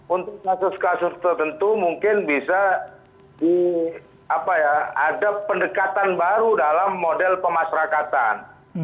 untuk kasus kasus tertentu mungkin bisa ada pendekatan baru dalam model pemasrakatan